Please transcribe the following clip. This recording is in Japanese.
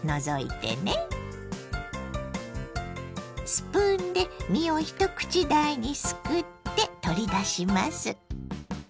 スプーンで実を一口大にすくって取り出します。